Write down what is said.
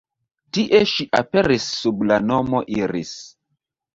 Tie ŝi aperis sub la nomo Iris.